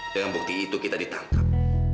dengan bukti itu kita ditangkap